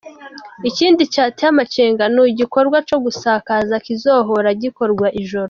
Ikindi cateye amakenga ni igikorwa co gusaka kizohora gikorwa ijoro.